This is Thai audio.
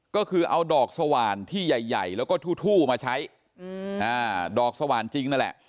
ก็คือเอาดอกสว่านที่ใหญ่แล้วก็ทู่มาใช้ดอกสว่านจริงนั่นแหละ